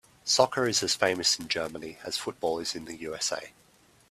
Soccer is as famous in Germany as football is in the USA.